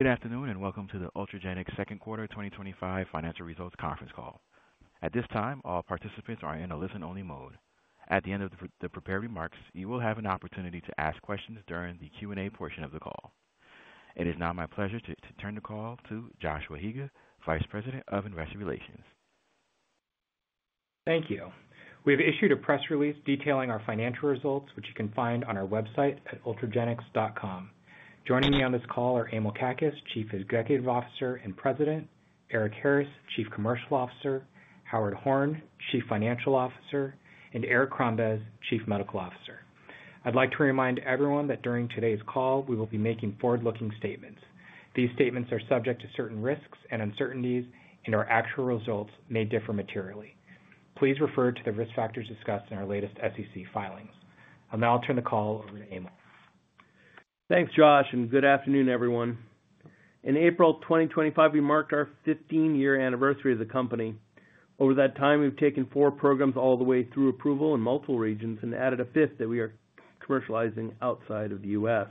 Good afternoon and welcome to the Ultragenyx Pharmaceutical second quarter 2025 financial results conference call. At this time, all participants are in a listen-only mode. At the end of the prepared remarks, you will have an opportunity to ask questions during the Q&A portion of the call. It is now my pleasure to turn the call to Joshua Higa, Vice President of Investor Relations. Thank you. We've issued a press release detailing our financial results, which you can find on our website at Ultragenyx.com. Joining me on this call are Emil Kakkis, Chief Executive Officer and President, Eric Harris, Chief Commercial Officer, Howard Horn, Chief Financial Officer, and Eric Crombez, Chief Medical Officer. I'd like to remind everyone that during today's call, we will be making forward-looking statements. These statements are subject to certain risks and uncertainties, and our actual results may differ materially. Please refer to the risk factors discussed in our latest SEC filings. I'll now turn the call over to Emil. Thanks, Josh, and good afternoon, everyone. In April 2025, we marked our 15-year anniversary as a company. Over that time, we've taken four programs all the way through approval in multiple regions and added a fifth that we are commercializing outside of the U.S.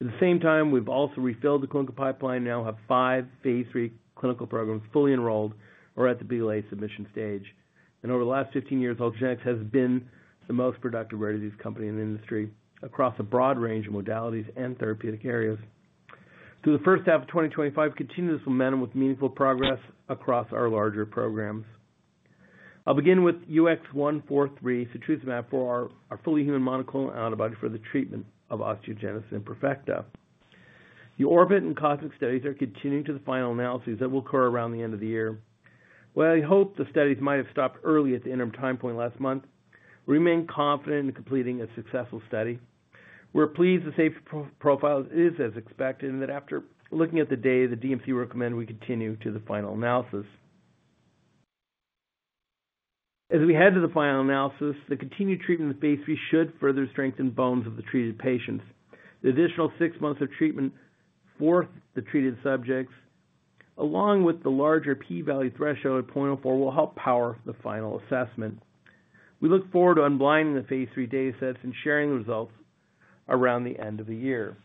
At the same time, we've also refilled the clinical pipeline and now have five Phase III clinical programs fully enrolled or at the BLA submission stage. Over the last 15 years, Ultragenyx has been the most productive rare disease company in the industry across a broad range of modalities and therapeutic areas. Through the first half of 2025, continuous momentum with meaningful progress across our larger programs. I'll begin with UX143 (citrusimab), our fully human monoclonal antibody for the treatment of osteogenesis imperfecta. The ORPID and COSMIC studies are continuing to the final analyses that will occur around the end of the year. While I hoped the studies might have stopped early at the interim time point last month, we remain confident in completing a successful study. We're pleased the safety profile is as expected and that after looking at the data, the DMC recommends we continue to the final analysis. As we head to the final analysis, the continued treatment of phase III should further strengthen bones of the treated patients. The additional six months of treatment for the treated subjects, along with the larger P-value threshold at 0.04, will help power the final assessment. We look forward to unblinding the phase III data sets and sharing the results around the end of the year.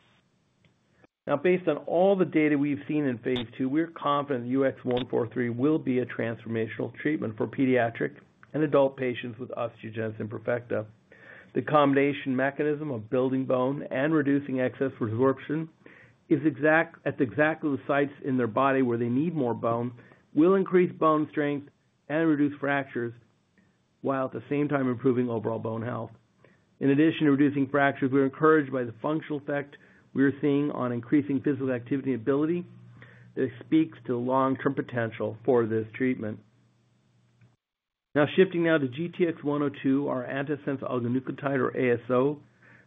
Now, based on all the data we've seen in phase II, we're confident that UX143 will be a transformational treatment for pediatric and adult patients with osteogenesis imperfecta. The combination mechanism of building bone and reducing excess resorption at exactly the sites in their body where they need more bone will increase bone strength and reduce fractures, while at the same time improving overall bone health. In addition to reducing fractures, we're encouraged by the functional effect we're seeing on increasing physical activity and ability that speaks to the long-term potential for this treatment. Shifting now to GTX-102, our antisense oligonucleotide or ASO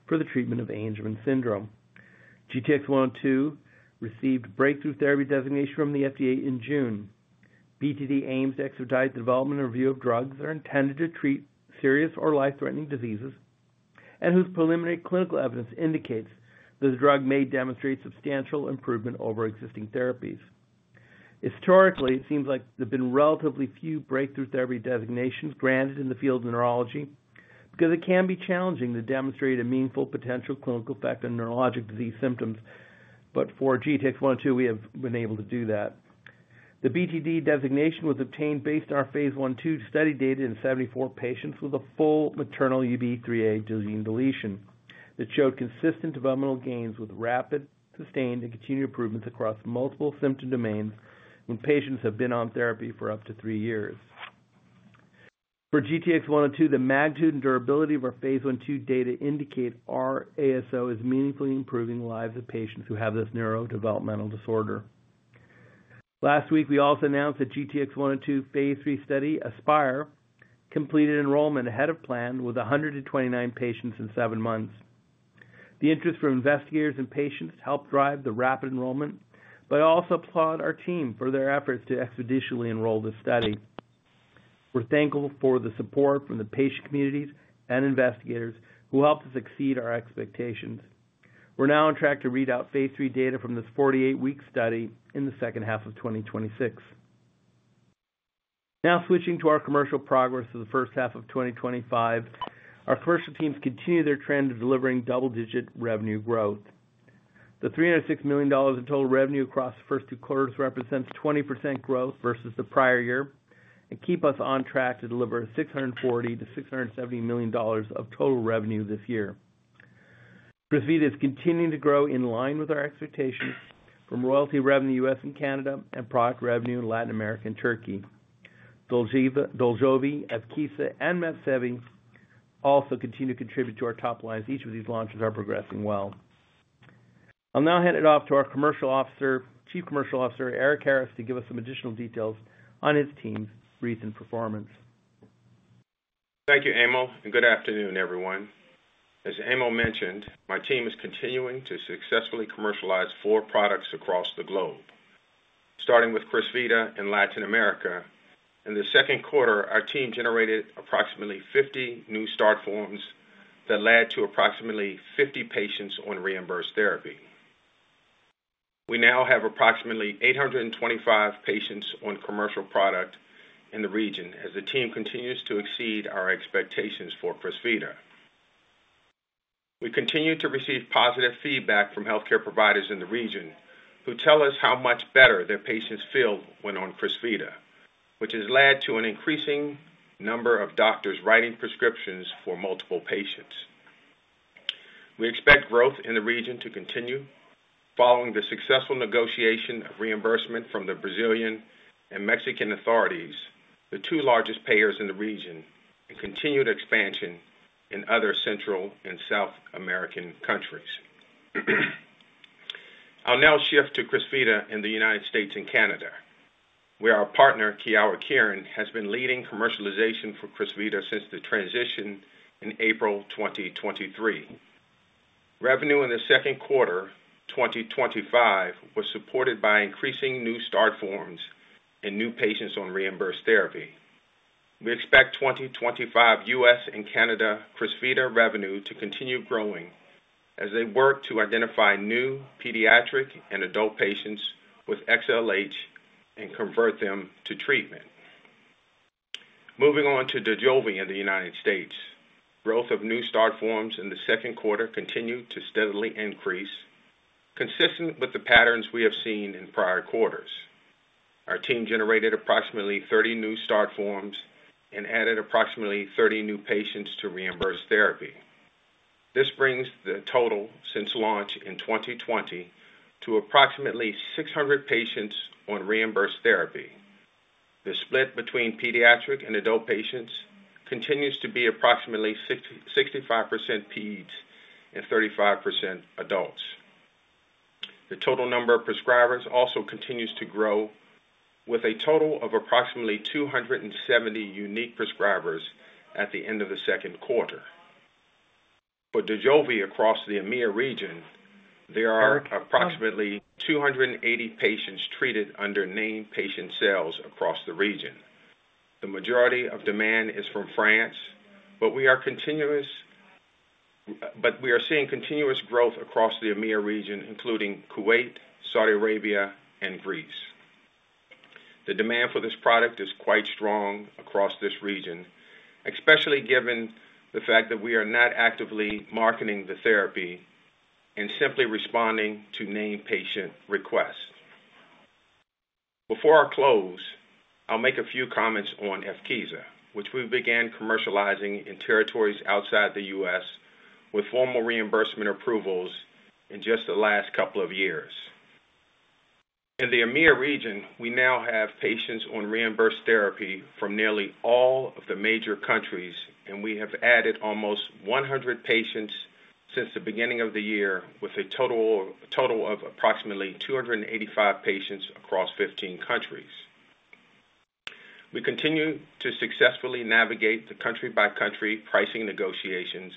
for the treatment of Angelman syndrome. GTX-102 received breakthrough therapy designation from the FDA in June. BTD aims to exercise development and review of drugs that are intended to treat serious or life-threatening diseases and whose preliminary clinical evidence indicates that the drug may demonstrate substantial improvement over existing therapies. Historically, it seems like there have been relatively few breakthrough therapy designations granted in the field of neurology because it can be challenging to demonstrate a meaningful potential clinical effect on neurologic disease symptoms. For GTX-102, we have been able to do that. The BTD designation was obtained based on our phase I-II study data in 74 patients with a full maternal UBE3A gene deletion that showed consistent developmental gains with rapid, sustained, and continued improvements across multiple symptom domains when patients have been on therapy for up to three years. For GTX-102, the magnitude and durability of our phase I-II data indicate our ASO is meaningfully improving the lives of patients who have this neurodevelopmental disorder. Last week, we also announced that GTX-102 phase III study ASPIRE completed enrollment ahead of plan with 129 patients in seven months. The interest from investigators and patients helped drive the rapid enrollment, and I also applaud our team for their efforts to expeditiously enroll this study. We're thankful for the support from the patient communities and investigators who helped us exceed our expectations. We're now on track to read out phase III data from this 48-week study in the second half of 2026. Now, switching to our commercial progress for the first half of 2025, our commercial teams continue their trend of delivering double-digit revenue growth. The $306 million in total revenue across the first two quarters represents 20% growth versus the prior year and keeps us on track to deliver $640 to $670 million of total revenue this year. Growth is continuing to grow in line with our expectations from royalty revenue in the U.S. and Canada and product revenue in Latin America and Turkey. DULJOVI, ASKESA, and MEPSEVII also continue to contribute to our top lines. Each of these launches are progressing well. I'll now hand it off to our Chief Commercial Officer, Eric Harris, to give us some additional details on his team's recent performance. Thank you, Emil, and good afternoon, everyone. As Emil mentioned, my team is continuing to successfully commercialize four products across the globe, starting with CRYSVITA in Latin America. In the second quarter, our team generated approximately 50 new start forms that led to approximately 50 patients on reimbursed therapy. We now have approximately 825 patients on commercial product in the region as the team continues to exceed our expectations for CRYSVITA. We continue to receive positive feedback from healthcare providers in the region who tell us how much better their patients feel when on CRYSVITA, which has led to an increasing number of doctors writing prescriptions for multiple patients. We expect growth in the region to continue following the successful negotiation of reimbursement from the Brazilian and Mexican authorities, the two largest payers in the region, and continued expansion in other Central and South American countries. I'll now shift to CRYSVITA in the United States and Canada, where our partner, Kyowa Kirin, has been leading commercialization for CRYSVITA since the transition in April 2023. Revenue in the second quarter of 2025 was supported by increasing new start forms and new patients on reimbursed therapy. We expect 2025 U.S. and Canada CRYSVITA revenue to continue growing as they work to identify new pediatric and adult patients with XLH and convert them to treatment. Moving on to DULJOVI in the United States, growth of new start forms in the second quarter continued to steadily increase, consistent with the patterns we have seen in prior quarters. Our team generated approximately 30 new start forms and added approximately 30 new patients to reimbursed therapy. This brings the total since launch in 2020 to approximately 600 patients on reimbursed therapy. The split between pediatric and adult patients continues to be approximately 65% peds and 35% adults. The total number of prescribers also continues to grow, with a total of approximately 270 unique prescribers at the end of the second quarter. For DULJOVI across the EMEA region, there are approximately 280 patients treated under named patient sales across the region. The majority of demand is from France, but we are seeing continuous growth across the EMEA region, including Kuwait, Saudi Arabia, and Greece. The demand for this product is quite strong across this region, especially given the fact that we are not actively marketing the therapy and simply responding to named patient requests. Before I close, I'll make a few comments on ASKESA, which we began commercializing in territories outside the U.S. with formal reimbursement approvals in just the last couple of years. In the EMEA region, we now have patients on reimbursed therapy from nearly all of the major countries, and we have added almost 100 patients since the beginning of the year, with a total of approximately 285 patients across 15 countries. We continue to successfully navigate the country-by-country pricing negotiations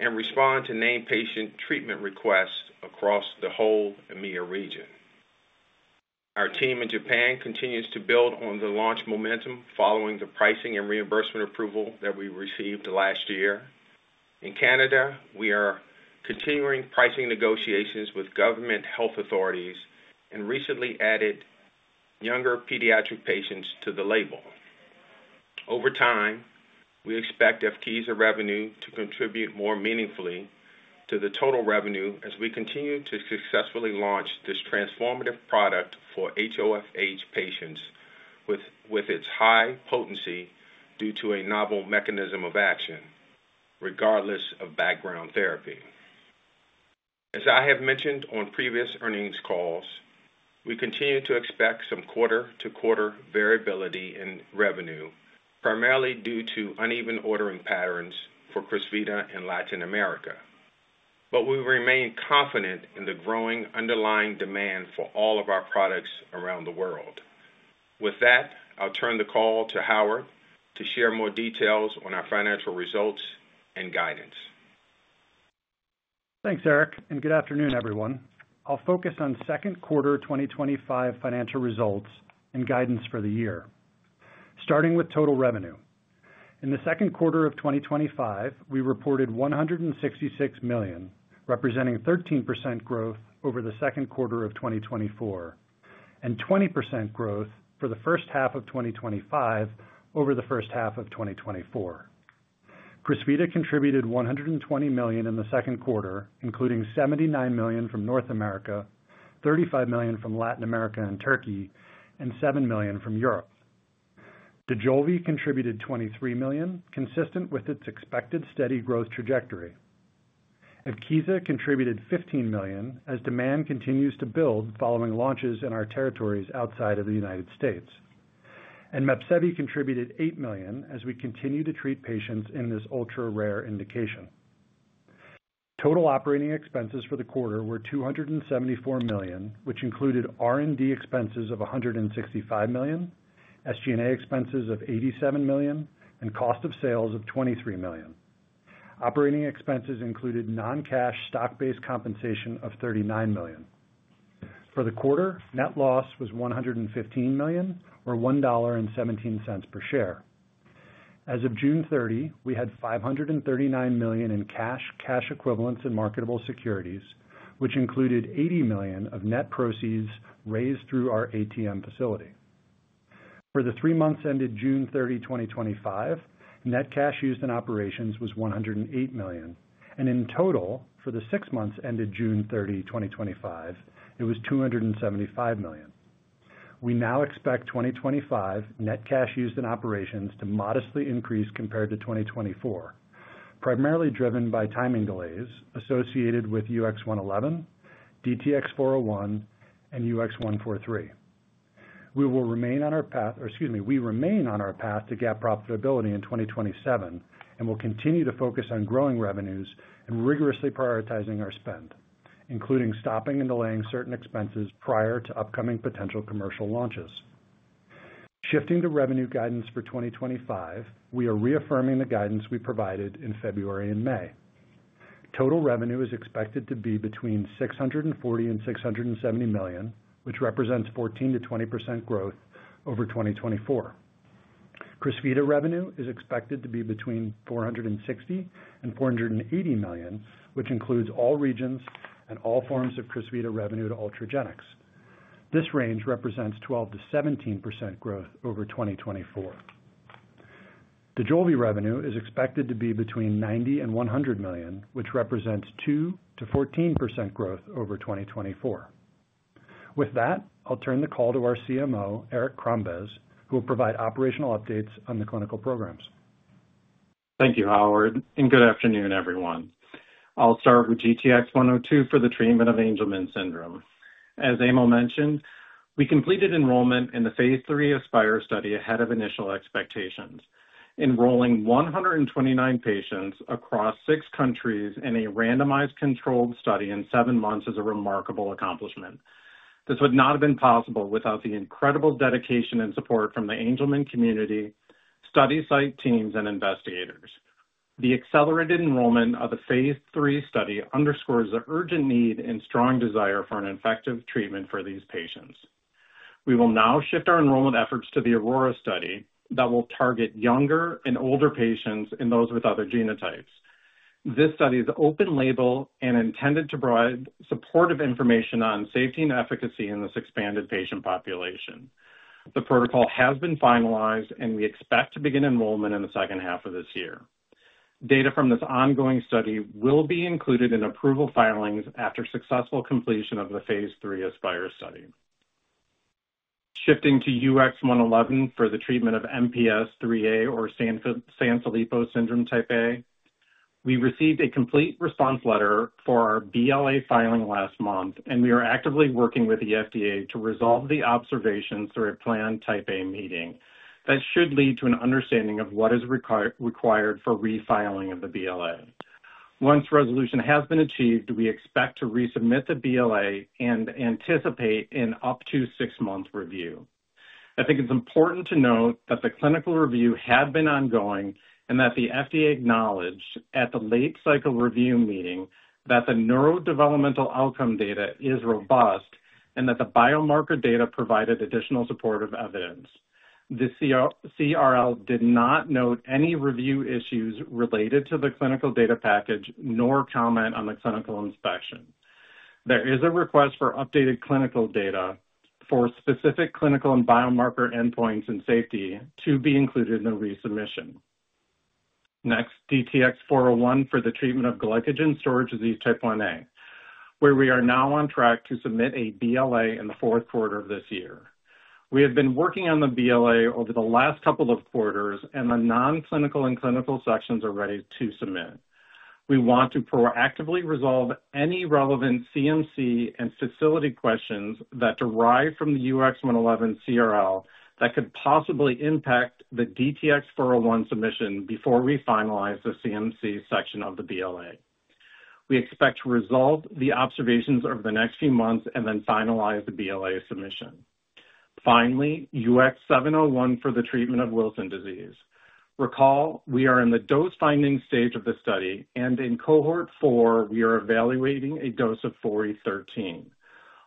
and respond to named patient treatment requests across the whole EMEA region. Our team in Japan continues to build on the launch momentum following the pricing and reimbursement approval that we received last year. In Canada, we are continuing pricing negotiations with government health authorities and recently added younger pediatric patients to the label. Over time, we expect ASKESA revenue to contribute more meaningfully to the total revenue as we continue to successfully launch this transformative product for HoFH patients with its high potency due to a novel mechanism of action, regardless of background therapy. As I have mentioned on previous earnings calls, we continue to expect some quarter-to-quarter variability in revenue, primarily due to uneven ordering patterns for CRYSVITA in Latin America. We remain confident in the growing underlying demand for all of our products around the world. With that, I'll turn the call to Howard to share more details on our financial results and guidance. Thanks, Eric, and good afternoon, everyone. I'll focus on second quarter 2025 financial results and guidance for the year. Starting with total revenue, in the second quarter of 2025, we reported $166 million, representing 13% growth over the second quarter of 2024 and 20% growth for the first half of 2025 over the first half of 2024. CRYSVITA contributed $120 million in the second quarter, including $79 million from North America, $35 million from Latin America and Turkey, and $7 million from Europe. DULJOVI contributed $23 million, consistent with its expected steady growth trajectory. ASKESA contributed $15 million as demand continues to build following launches in our territories outside of the United States. MEPSEVII contributed $8 million as we continue to treat patients in this ultra-rare indication. Total operating expenses for the quarter were $274 million, which included R&D expenses of $165 million, SG&A expenses of $87 million, and cost of sales of $23 million. Operating expenses included non-cash stock-based compensation of $39 million. For the quarter, net loss was $115 million, or $1.17 per share. As of June 30, we had $539 million in cash, cash equivalents, and marketable securities, which included $80 million of net proceeds raised through our ATM facility. For the three months ended June 30, 2025, net cash used in operations was $108 million, and in total, for the six months ended June 30, 2025, it was $275 million. We now expect 2025 net cash used in operations to modestly increase compared to 2024, primarily driven by timing delays associated with UX111, DTX-401, and UX143. We will remain on our path to GAAP profitability in 2027 and will continue to focus on growing revenues and rigorously prioritizing our spend, including stopping and delaying certain expenses prior to upcoming potential commercial launches. Shifting to revenue guidance for 2025, we are reaffirming the guidance we provided in February and May. Total revenue is expected to be between $640 and $670 million, which represents 14%-20% growth over 2024. CRYSVITA revenue is expected to be between $460 and $480 million, which includes all regions and all forms of CRYSVITA revenue to Ultragenyx. This range represents 12%-17% growth over 2024. DULJOVI revenue is expected to be between $90 and $100 million, which represents 2%-14% growth over 2024. With that, I'll turn the call to our Chief Medical Officer, Eric Crombez, who will provide operational updates on the clinical programs. Thank you, Howard, and good afternoon, everyone. I'll start with GTX-102 for the treatment of Angelman syndrome. As Emil Kakkis mentioned, we completed enrollment in the phase III ASPIRE study ahead of initial expectations, enrolling 129 patients across six countries in a randomized controlled study in seven months is a remarkable accomplishment. This would not have been possible without the incredible dedication and support from the Angelman community, study site teams, and investigators. The accelerated enrollment of the phase III study underscores the urgent need and strong desire for an effective treatment for these patients. We will now shift our enrollment efforts to the Aurora study that will target younger and older patients and those with other genotypes. This study is open-label and intended to provide supportive information on safety and efficacy in this expanded patient population. The protocol has been finalized, and we expect to begin enrollment in the second half of this year. Data from this ongoing study will be included in approval filings after successful completion of the phase III ASPIRE study. Shifting to UX111 for the treatment of MPS3A or Sanfilippo syndrome type A, we received a complete response letter for our BLA filing last month, and we are actively working with the FDA to resolve the observations through a planned Type A meeting that should lead to an understanding of what is required for refiling of the BLA. Once resolution has been achieved, we expect to resubmit the BLA and anticipate an up-to-six-month review. I think it's important to note that the clinical review had been ongoing and that the FDA acknowledged at the late cycle review meeting that the neurodevelopmental outcome data is robust and that the biomarker data provided additional supportive evidence. The CRL did not note any review issues related to the clinical data package nor comment on the clinical inspection. There is a request for updated clinical data for specific clinical and biomarker endpoints and safety to be included in the resubmission. Next, DTX-401 for the treatment of Glycogen Storage Disease Type 1A, where we are now on track to submit a BLA in the fourth quarter of this year. We have been working on the BLA over the last couple of quarters, and the non-clinical and clinical sections are ready to submit. We want to proactively resolve any relevant CMC and facility questions that derive from the UX111 CRL that could possibly impact the DTX-401 submission before we finalize the CMC section of the BLA. We expect to resolve the observations over the next few months and then finalize the BLA submission. Finally, UX701 for the treatment of Wilson disease. Recall, we are in the dose-finding stage of the study, and in cohort four, we are evaluating a dose of 4E13.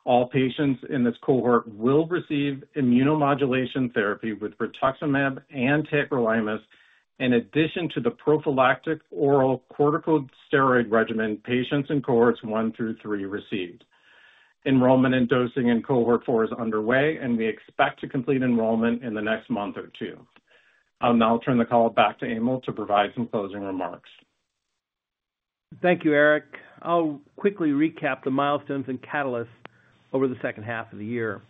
All patients in this cohort will receive immunomodulation therapy with rituximab and tacrolimus in addition to the prophylactic oral corticosteroid regimen patients in cohorts one through three received. Enrollment and dosing in cohort four is underway, and we expect to complete enrollment in the next month or two. I'll now turn the call back to Emil Kakkis to provide some closing remarks. Thank you, Eric. I'll quickly recap the milestones and catalysts over the second half of the year.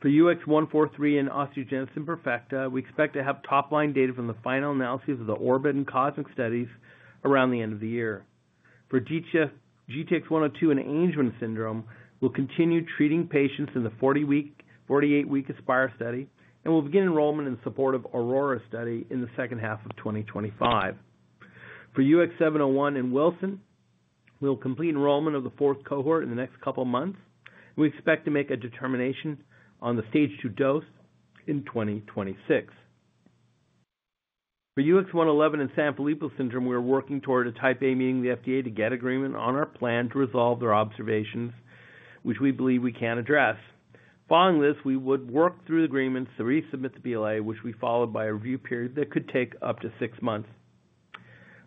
For UX143 and osteogenesis imperfecta, we expect to have top-line data from the final analyses of the ORPID and COSMIC studies around the end of the year. For GTX-102 and Angelman syndrome, we'll continue treating patients in the 48-week ASPIRE study, and we'll begin enrollment in support of the Aurora study in the second half of 2025. For UX701 and Wilson, we'll complete enrollment of the fourth cohort in the next couple of months, and we expect to make a determination on the stage two dose in 2026. For UX111 and Sanfilippo syndrome, we are working toward a Type A meeting with the FDA to get agreement on our plan to resolve their observations, which we believe we can address. Following this, we would work through the agreements to resubmit the BLA, which would be followed by a review period that could take up to six months.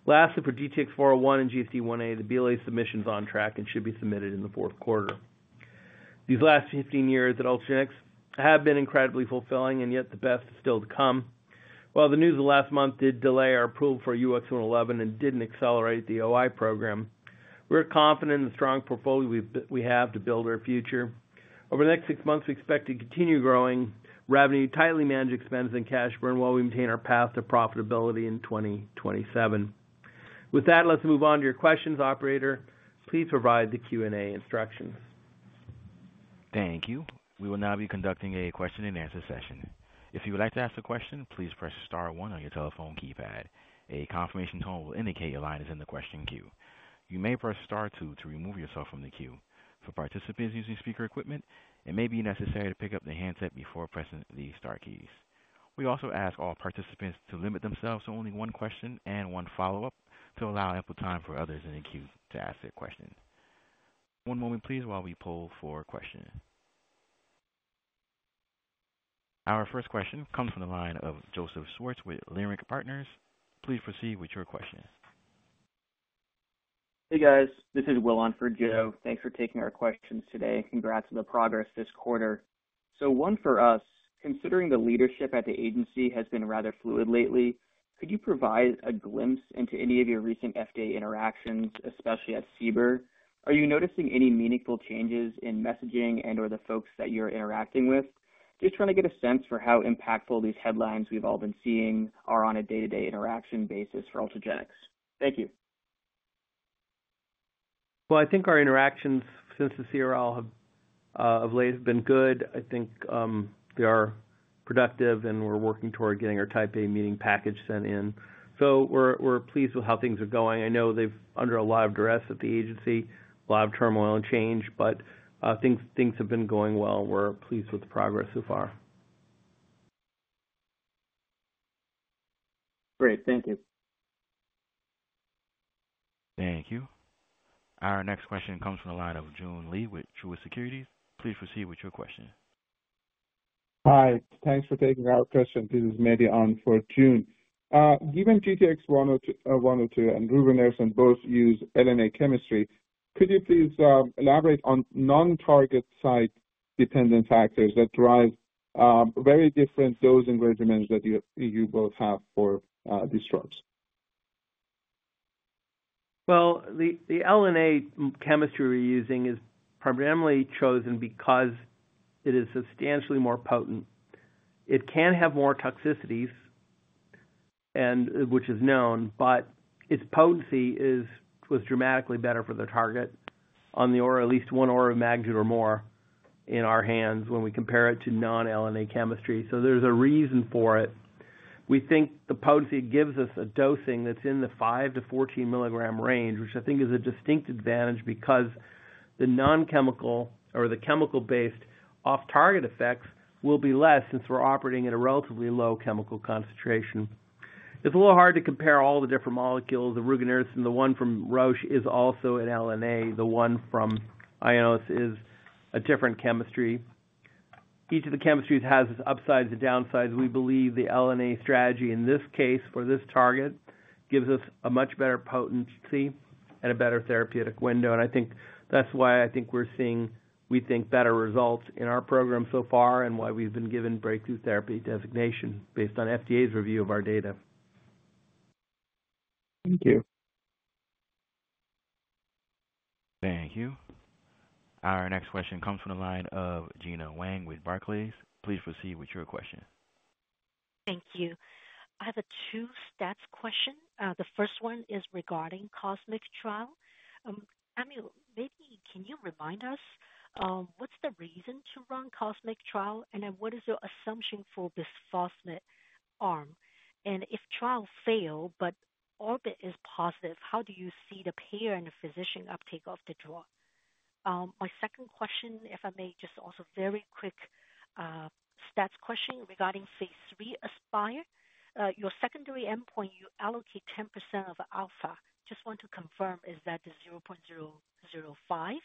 Lastly, for DTX-401 and Glycogen Storage Disease Type 1A, the BLA submission is on track and should be submitted in the fourth quarter. These last 15 years at Ultragenyx have been incredibly fulfilling, and yet the best is still to come. While the news of last month did delay our approval for UX111 and did not accelerate the OI program, we're confident in the strong portfolio we have to build our future. Over the next six months, we expect to continue growing revenue, tightly manage expenses and cash burn, while we maintain our path to profitability in 2027. With that, let's move on to your questions, operator. Please provide the Q&A instruction. Thank you. We will now be conducting a question and answer session. If you would like to ask a question, please press star one on your telephone keypad. A confirmation tone will indicate your line is in the question queue. You may press star two to remove yourself from the queue. For participants using speaker equipment, it may be necessary to pick up the handset before pressing the star keys. We also ask all participants to limit themselves to only one question and one follow-up to allow ample time for others in the queue to ask their question. One moment, please, while we pull for questions. Our first question comes from the line of Joseph Schwartz with Leerink Partners LLC. Please proceed with your questions. Hey, guys. This is Will Devroe Soghikian for Joe. Thanks for taking our questions today. Congrats on the progress this quarter. One for us, considering the leadership at the agency has been rather fluid lately, could you provide a glimpse into any of your recent FDA interactions, especially at CBER? Are you noticing any meaningful changes in messaging and/or the folks that you're interacting with? Just trying to get a sense for how impactful these headlines we've all been seeing are on a day-to-day interaction basis for Ultragenyx. Thank you. I think our interactions since the CRL of late have been good. I think they are productive, and we're working toward getting our Type A meeting package sent in. We're pleased with how things are going. I know they've been under a lot of duress at the agency, a lot of turmoil and change, but things have been going well, and we're pleased with the progress so far. Great. Thank you. Thank you. Our next question comes from the line of Jun Lee with Truist Securities. Please proceed with your question. Hi. Thanks for taking our question. This is Mehdi on for June. Given GTX-102 and Rubinex both use LNA chemistry, could you please elaborate on non-target site dependent factors that drive very different dosing regimens that you both have for these drugs? The LNA chemistry we're using is primarily chosen because it is substantially more potent. It can have more toxicities, which is known, but its potency was dramatically better for the target on the order, at least one order of magnitude or more in our hands when we compare it to non-LNA chemistry. There is a reason for it. We think the potency gives us a dosing that's in the 5 mg-14 mg milligram range, which I think is a distinct advantage because the non-chemical or the chemical-based off-target effects will be less since we're operating at a relatively low chemical concentration. It's a little hard to compare all the different molecules. The Rubinex and the one from Roche is also an LNA. The one from Ionis is a different chemistry. Each of the chemistries has its upsides and downsides. We believe the LNA strategy in this case for this target gives us a much better potency and a better therapeutic window. I think that's why I think we're seeing, we think, better results in our program so far and why we've been given breakthrough therapy designation based on FDA's review of our data. Thank you. Thank you. Our next question comes from the line of Gina Wang with Barclays Bank PLC. Please proceed with your question. Thank you. I have a two-stats question. The first one is regarding COSMIC trial. Emil, maybe can you remind us what's the reason to run COSMIC trial, and then what is your assumption for bisphosphonate arm? If trial failed but ORPID is positive, how do you see the payer and the physician uptake of the drug? My second question, if I may, just also a very quick stats question regarding phase III ASPIRE. Your secondary endpoint, you allocate 10% of alpha. Just want to confirm, is that the 0.005?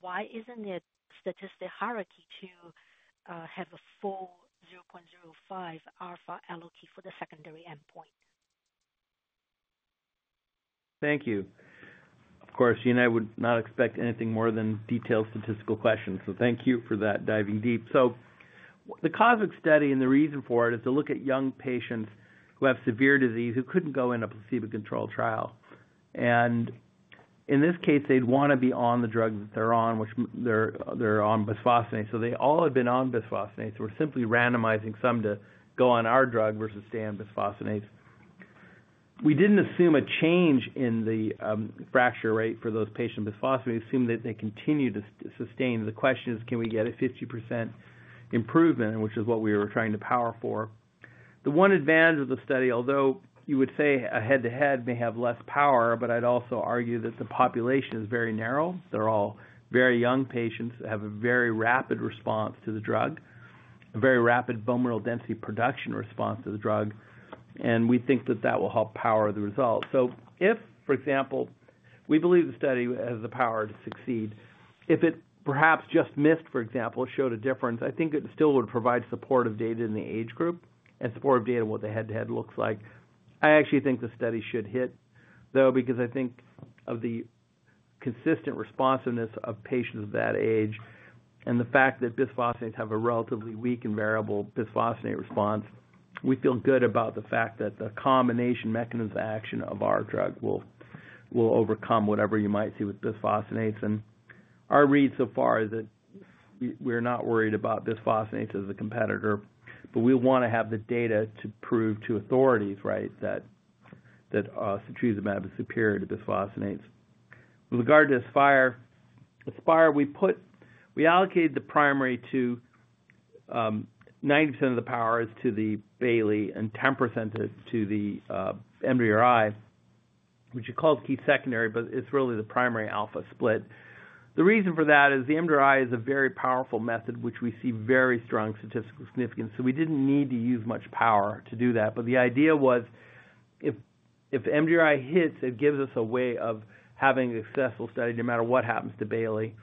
Why isn't it statistically hierarchy to have a full 0.05 alpha allocate for the secondary endpoint? Thank you. Of course, Gina, I would not expect anything more than detailed statistical questions. Thank you for that diving deep. The COSMIC study and the reason for it is to look at young patients who have severe disease who couldn't go in a placebo-controlled trial. In this case, they'd want to be on the drug that they're on, which they're on bisphosphonates. They all have been on bisphosphonates. We're simply randomizing some to go on our drug versus stay on bisphosphonates. We didn't assume a change in the fracture rate for those patients on bisphosphonates. We assumed that they continue to sustain. The question is, can we get a 50% improvement, which is what we were trying to power for? The one advantage of the study, although you would say a head-to-head may have less power, I'd also argue that the population is very narrow. They're all very young patients that have a very rapid response to the drug, a very rapid bone mineral density production response to the drug. We think that that will help power the results. For example, we believe the study has the power to succeed. If it perhaps just missed, for example, showed a difference, I think it still would provide supportive data in the age group and supportive data of what the head-to-head looks like. I actually think the study should hit, though, because I think of the consistent responsiveness of patients of that age and the fact that bisphosphonates have a relatively weak and variable bisphosphonate response. We feel good about the fact that the combination mechanism of action of our drug will overcome whatever you might see with bisphosphonates. Our read so far is that we're not worried about bisphosphonates as a competitor, but we want to have the data to prove to authorities, right, that UX143 is superior to bisphosphonates. With regard to ASPIRE, we allocate the primary to 90% of the power is to the Bailey and 10% to the MDRI, which you call it key secondary, but it's really the primary alpha split. The reason for that is the MDRI is a very powerful method, which we see very strong statistical significance. We didn't need to use much power to do that. The idea was if MDRI hits, it gives us a way of having a successful study no matter what happens to Bailey.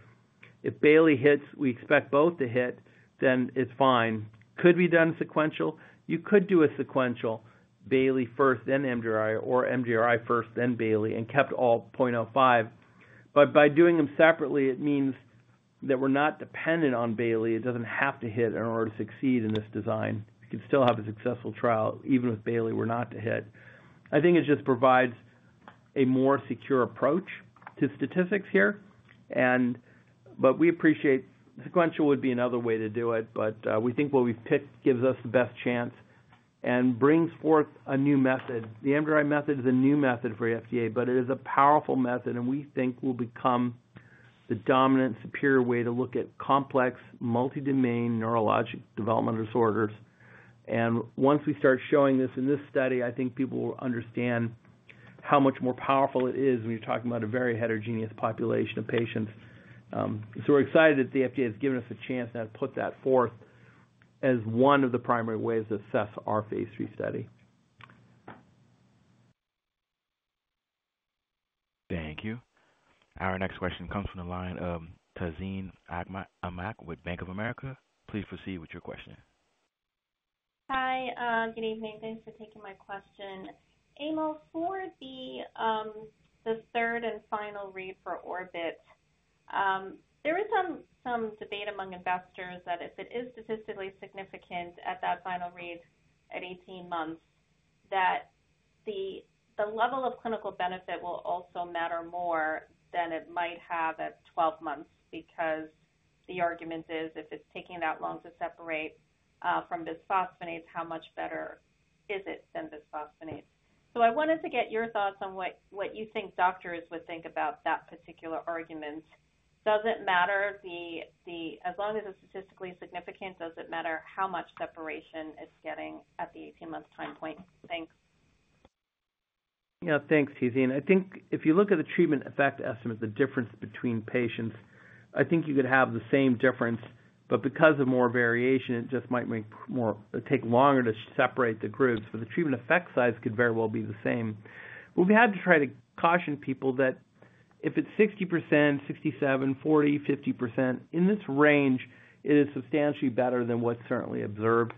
If Bailey hits, we expect both to hit, then it's fine. Could be done sequential. You could do a sequential Bailey first, then MDRI, or MDRI first, then Bailey, and kept all 0.05. By doing them separately, it means that we're not dependent on Bailey. It doesn't have to hit in order to succeed in this design. You can still have a successful trial even if Bailey were not to hit. I think it just provides a more secure approach to statistics here. We appreciate sequential would be another way to do it, but we think what we've picked gives us the best chance and brings forth a new method. The MDRI method is a new method for the FDA, but it is a powerful method and we think will become the dominant superior way to look at complex multi-domain neurologic developmental disorders. Once we start showing this in this study, I think people will understand how much more powerful it is when you're talking about a very heterogeneous population of patients. We're excited that the FDA has given us a chance now to put that forth as one of the primary ways to assess our phase III study. Thank you. Our next question comes from the line of Tazeen Ahmad with BofA Securities. Please proceed with your question. Hi. Good evening. Thanks for taking my question. Emil, for the third and final read for ORPID, there is some debate among investors that if it is statistically significant at that final read at 18 months, that the level of clinical benefit will also matter more than it might have at 12 months because the argument is if it's taking that long to separate from bisphosphonates, how much better is it than bisphosphonates? I wanted to get your thoughts on what you think doctors would think about that particular argument. Does it matter as long as it's statistically significant? Does it matter how much separation it's getting at the 18-month time point? Thanks. Yeah, thanks, Tazeen. I think if you look at the treatment effect estimate, the difference between patients, I think you could have the same difference. Because of more variation, it just might take longer to separate the groups. The treatment effect size could very well be the same. We've had to try to caution people that if it's 60%, 67%, 40%, 50%, in this range, it is substantially better than what's currently observed.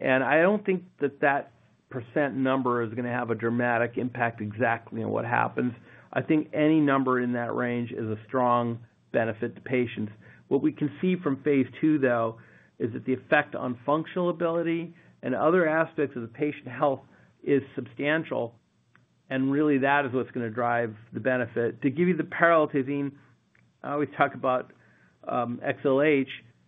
I don't think that that % number is going to have a dramatic impact exactly on what happens. I think any number in that range is a strong benefit to patients. What we can see from phase II, though, is that the effect on functional ability and other aspects of the patient health is substantial. That is what's going to drive the benefit. To give you the parallel, Tazeen, I always talk about XLH.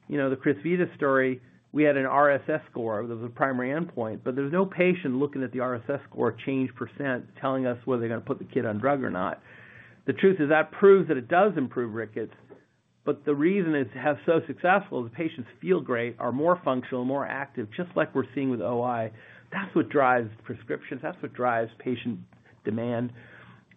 You know the CRYSVITA story, we had an RSS score that was a primary endpoint. There's no patient looking at the RSS score change % telling us whether they're going to put the kid on drug or not. The truth is that proves that it does improve rickets. The reason it's so successful is the patients feel great, are more functional, more active, just like we're seeing with OI. That's what drives prescriptions. That's what drives patient demand.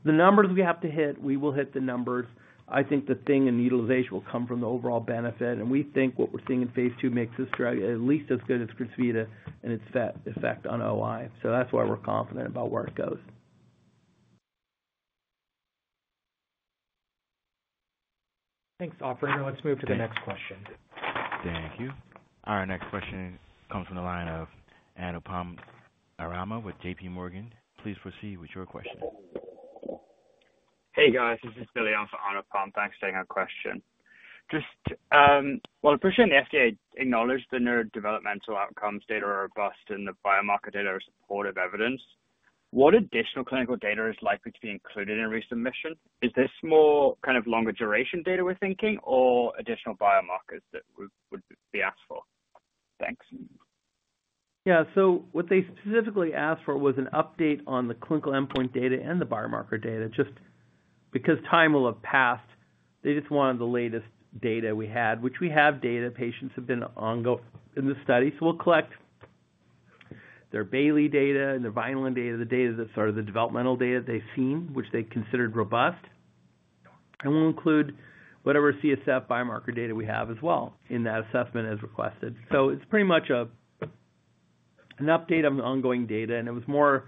The numbers we have to hit, we will hit the numbers. I think the thing in utilization will come from the overall benefit. We think what we're seeing in phase II makes this drug at least as good as CRYSVITA in its effect on OI. That's why we're confident about where it goes. Thanks, Officer. Let's move to the next question. Thank you. Our next question comes from the line of Anupam Arama with JPMorgan Chase & Co. Please proceed with your question. Hey, guys. This is Billy on for Anupam. Thanks for taking our question. The person in the FDA acknowledged the neurodevelopmental outcomes data are robust and the biomarker data are supportive evidence. What additional clinical data is likely to be included in resubmission? Is this more kind of longer duration data we're thinking or additional biomarkers that we would be asked for? Thanks. Yeah, what they specifically asked for was an update on the clinical endpoint data and the biomarker data. Just because time will have passed, they just wanted the latest data we had, which we have data patients have been ongoing in the study. We'll collect their Bailey data and their Vineland data, the data that's sort of the developmental data they've seen, which they considered robust. We'll include whatever CSF biomarker data we have as well in that assessment as requested. It's pretty much an update on the ongoing data. It was more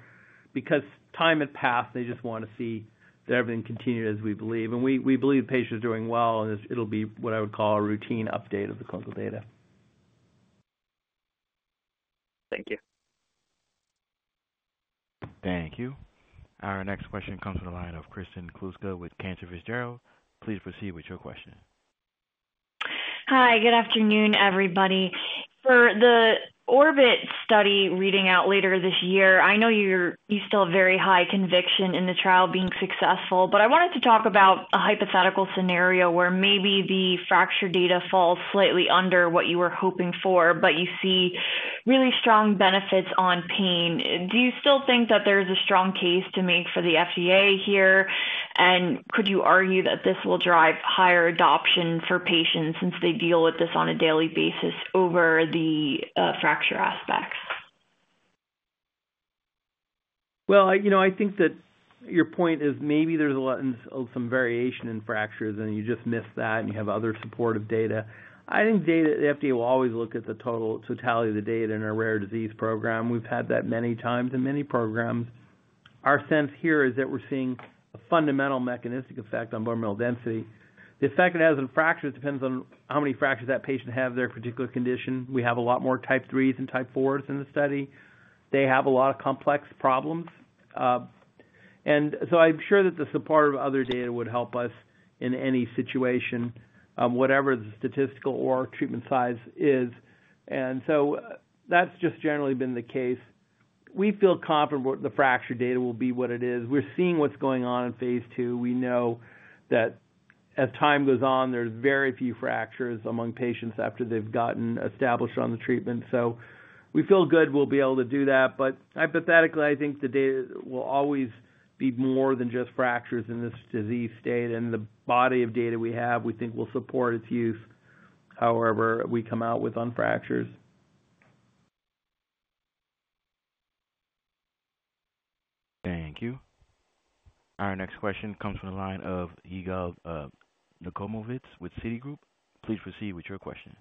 because time had passed, they just want to see that everything continued as we believe. We believe the patient is doing well. It'll be what I would call a routine update of the clinical data. Thank you. Thank you. Our next question comes from the line of Kristen Kluska with Cantor Fitzgerald. Please proceed with your question. Hi. Good afternoon, everybody. For the ORPID study reading out later this year, I know you still have very high conviction in the trial being successful. I wanted to talk about a hypothetical scenario where maybe the fracture data falls slightly under what you were hoping for, but you see really strong benefits on pain. Do you still think that there's a strong case to make for the FDA here? Could you argue that this will drive higher adoption for patients since they deal with this on a daily basis over the fracture aspects? I think that your point is maybe there's a lot of some variation in fractures, and you just missed that, and you have other supportive data. I think the FDA will always look at the totality of the data in a rare disease program. We've had that many times in many programs. Our sense here is that we're seeing a fundamental mechanistic effect on bone mineral density. The effect it has on fracture, it depends on how many fractures that patient has, their particular condition. We have a lot more Type IIIs and Type IVs in the study. They have a lot of complex problems. I'm sure that the support of other data would help us in any situation, whatever the statistical or treatment size is. That's just generally been the case. We feel confident the fracture data will be what it is. We're seeing what's going on in phase II. We know that as time goes on, there's very few fractures among patients after they've gotten established on the treatment. We feel good we'll be able to do that. Hypothetically, I think the data will always be more than just fractures in this disease state. The body of data we have, we think will support its use however we come out with on fractures. Thank you. Our next question comes from the line of Yigal Dov Nochomovitz with Citigroup. Please proceed with your question.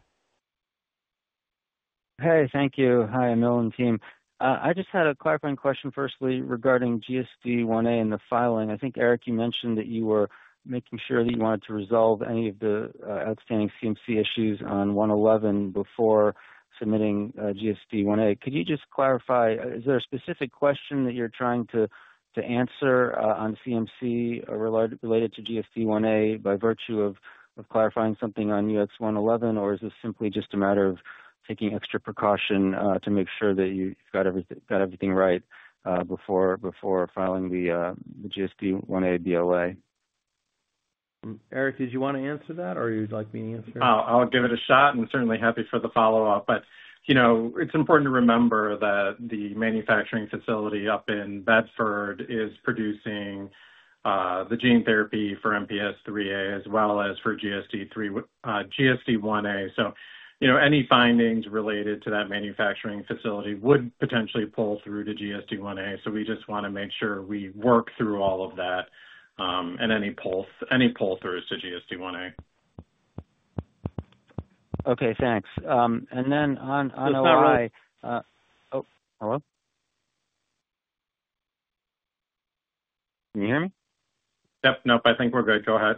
Hey, thank you. Hi, Emil and team. I just had a clarifying question firstly regarding Glycogen Storage Disease Type 1A in the filing. I think, Eric, you mentioned that you were making sure that you wanted to resolve any of the outstanding CMC issues on UX111 before submitting Glycogen Storage Disease Type 1A. Could you just clarify, is there a specific question that you're trying to answer on CMC related to Glycogen Storage Disease Type 1A by virtue of clarifying something on UX111, or is this simply just a matter of taking extra precaution to make sure that you've got everything right before filing the Glycogen Storage Disease Type 1A BLA? Eric, did you want to answer that or you'd like me to answer? I'll give it a shot and certainly happy for the follow-up. It's important to remember that the manufacturing facility up in Bedford is producing the gene therapy for MPS3A as well as for GSD-1A. Any findings related to that manufacturing facility would potentially pull through to GSD-1A. We just want to make sure we work through all of that and any pull-throughs to GSD-1A. Okay, thanks. On OI. Is that right? Hello, can you hear me? Yep. No, I think we're good. Go ahead.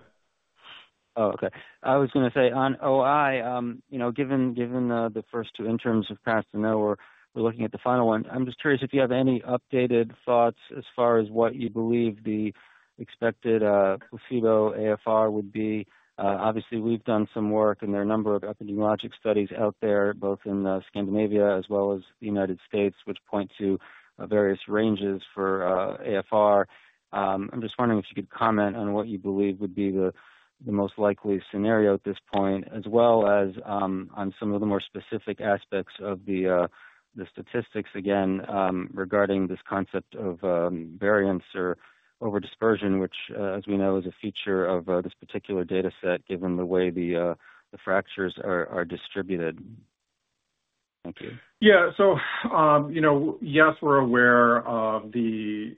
Okay. I was going to say on OI, you know, given the first two interims have passed and now we're looking at the final one, I'm just curious if you have any updated thoughts as far as what you believe the expected placebo AFR would be. Obviously, we've done some work and there are a number of epidemiologic studies out there, both in Scandinavia as well as the United States, which point to various ranges for AFR. I'm just wondering if you could comment on what you believe would be the most likely scenario at this point, as well as on some of the more specific aspects of the statistics, again, regarding this concept of variance or overdispersion, which, as we know, is a feature of this particular data set, given the way the fractures are distributed. Thank you. Yeah, so, yes, we're aware of the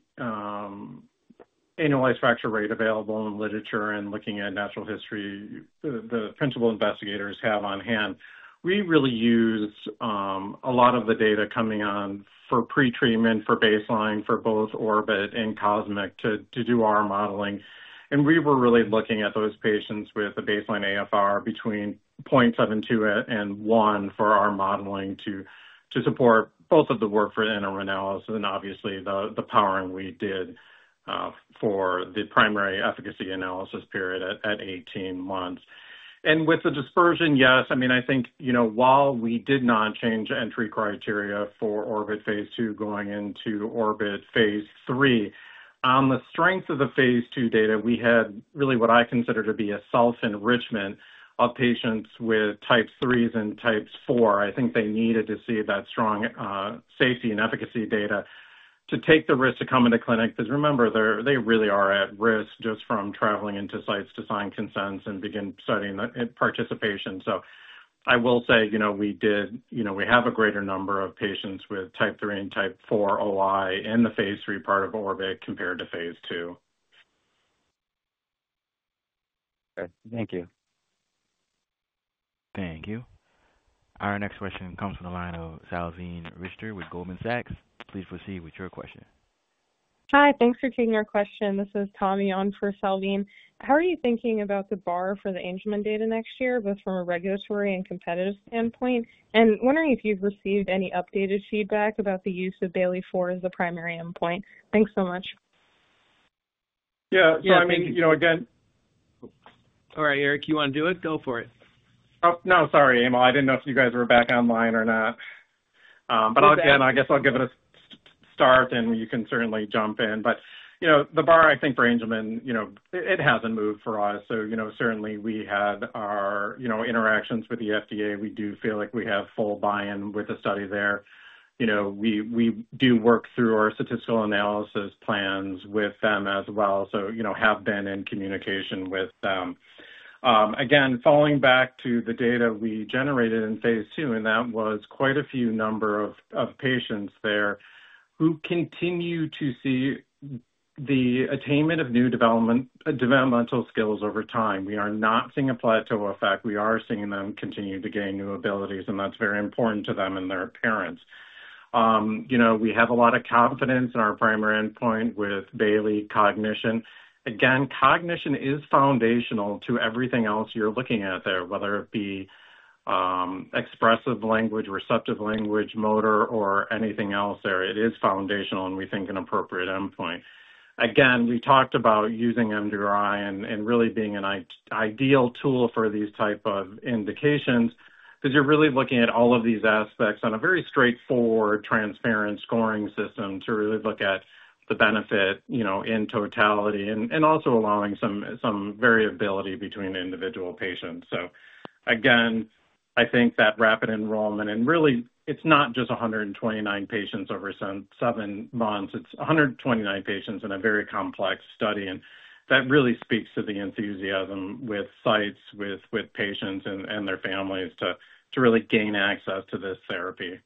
analyzed fracture rate available in the literature and looking at natural history the principal investigators have on hand. We really use a lot of the data coming on for pretreatment for baseline for both ORPID and COSMIC to do our modeling. We were really looking at those patients with a baseline AFR between 0.72 and 1 for our modeling to support both of the work for interim analysis and obviously the powering we did for the primary efficacy analysis period at 18 months. With the dispersion, yes, I mean, I think, while we did not change entry criteria for ORPID phase II going into ORPID phase III, on the strength of the phase II data, we had really what I consider to be a self-enrichment of patients with Types III and Types IV. I think they needed to see that strong safety and efficacy data to take the risk to come into clinic because remember, they really are at risk just from traveling into sites to sign consents and begin studying participation. I will say, we have a greater number of patients with Type III and Type IV OI in the phase III part of ORPID compared to phase II. Okay, thank you. Thank you. Our next question comes from the line of Salveen Richter with Goldman Sachs. Please proceed with your question. Hi, thanks for taking our question. This is Tommie on for Salveen. How are you thinking about the bar for the Angelman data next year, both from a regulatory and competitive standpoint? I am wondering if you've received any updated feedback about the use of Bayley IV as the primary endpoint. Thanks so much. Yeah, I mean, you know, again. All right, Eric, you want to do it? Go for it. Oh, sorry, Emil. I didn't know if you guys were back online or not. I'll give it a start and you can certainly jump in. The bar, I think, for Angelman, it hasn't moved for us. We had our interactions with the FDA. We do feel like we have full buy-in with the study there. We do work through our statistical analysis plans with them as well. We have been in communication with them. Again, falling back to the data we generated in phase II, and that was quite a few patients there who continue to see the attainment of new developmental skills over time. We are not seeing a plateau effect. We are seeing them continue to gain new abilities, and that's very important to them and their parents. We have a lot of confidence in our primary endpoint with Bailey cognition. Cognition is foundational to everything else you're looking at there, whether it be expressive language, receptive language, motor, or anything else there. It is foundational and we think an appropriate endpoint. We talked about using MDRI and really being an ideal tool for these types of indications because you're really looking at all of these aspects on a very straightforward, transparent scoring system to really look at the benefit in totality and also allowing some variability between individual patients. I think that rapid enrollment, and really, it's not just 129 patients over seven months. It's 129 patients in a very complex study. That really speaks to the enthusiasm with sites, with patients, and their families to really gain access to this therapy.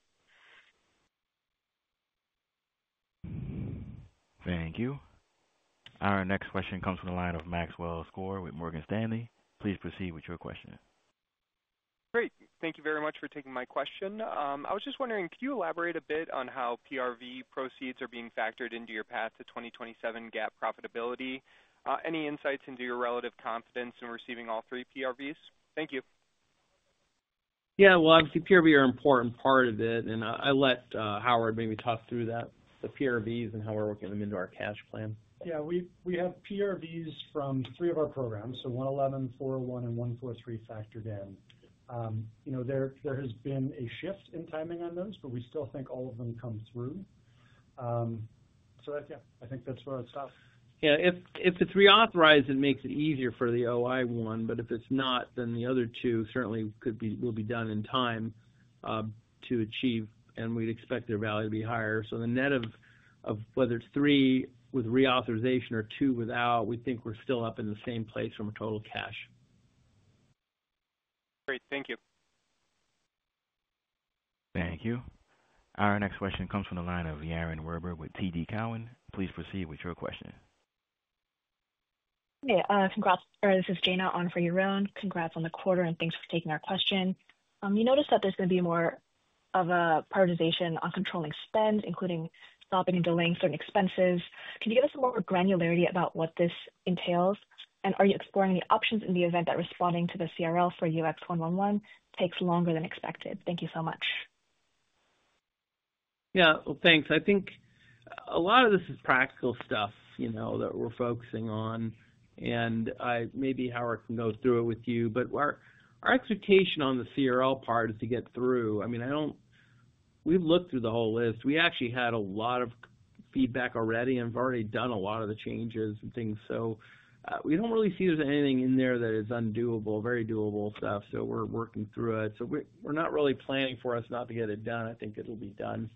Thank you. Our next question comes from the line of Maxwell Nathan Skor with Morgan Stanley. Please proceed with your question. Great. Thank you very much for taking my question. I was just wondering, can you elaborate a bit on how PRV proceeds are being factored into your path to 2027 GAAP profitability? Any insights into your relative confidence in receiving all three PRVs? Thank you. Obviously, PRV is an important part of it. I'll let Howard maybe talk through that, the PRVs and how we're working them into our cash plan. Yeah, we have PRVs from three of our programs, so UX111, DTX-401, and UX143 factored in. There has been a shift in timing on those, but we still think all of them come through. I think that's where I'd stop. Yeah, if it's reauthorized, it makes it easier for the OI one. If it's not, then the other two certainly will be done in time to achieve, and we'd expect their value to be higher. The net of whether it's three with reauthorization or two without, we think we're still up in the same place from a total cash. Great, thank you. Thank you. Our next question comes from the line of Yaron Werber with TD Cowen. Please proceed with your question. Hey, congrats. This is Gena on for your own. Congrats on the quarter and thanks for taking our question. You noticed that there's going to be more of a prioritization on controlling spend, including stopping and delaying certain expenses. Can you give us some more granularity about what this entails? Are you exploring any options in the event that responding to the CRL for UX111 takes longer than expected? Thank you so much. Yeah, thanks. I think a lot of this is practical stuff, you know, that we're focusing on. Maybe Howard can go through it with you. Our expectation on the CRL part is to get through. I mean, we've looked through the whole list. We actually had a lot of feedback already and have already done a lot of the changes and things. We don't really see there's anything in there that is undoable, very doable stuff. We're working through it. We're not really planning for us not to get it done. I think it'll be done.